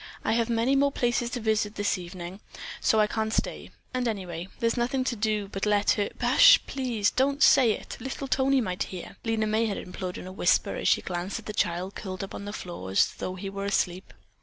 "I have many more places to visit this evening, so I can't stay; and, anyway, there's nothing to do but to let her " "Hush, please, don't say it. Little Tony might hear," Lena May had implored in a whisper as she glanced at the child curled up on the floor as though he were asleep.